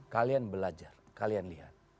kalian belajar kalian lihat